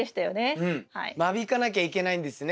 間引かなきゃいけないんですね